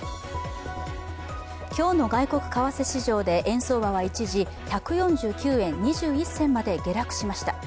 今日の外国為替市場で円相場は一時１４９円２１銭まで下落しました。